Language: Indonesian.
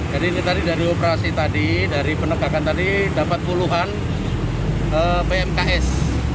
jadi ini tadi dari operasi tadi dari penegakan tadi dapat puluhan pmks